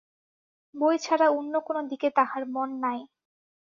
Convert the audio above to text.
বই ছাড়া অন্য কোন দিকে তাঁহার মন নাই।